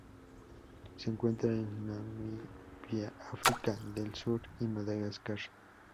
Se encuentra en Namibia, África del Sur y Madagascar.